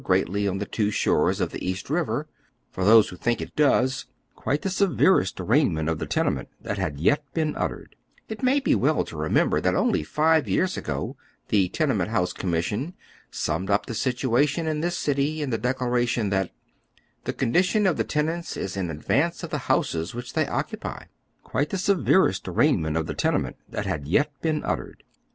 gi eatly on tlie two shores of the East liiver. For those who think it does, it may be well to remember that only five years ago the Tenement House Commission summed np the situa tion in this city in the declaration that, "the condition of the tenants is in advance of the houses which they oc cupy," quite the severest aiTaignment of the tenement that liad yet been uttered.